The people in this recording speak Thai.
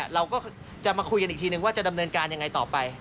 เราก็จะมาคุยกันอีกทีนึงว่าจะดำเนินการยังไงต่อไป